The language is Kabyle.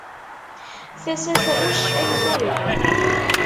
Tasa tɣucc ay turew.